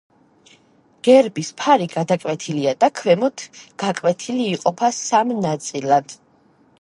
გერბის ფარი გადაკვეთილია და ქვემოთ გაკვეთილი, იყოფა სამ ნაწილად.